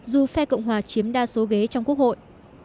dù phe cộng hòa chiếm đa số ghế trong quốc hội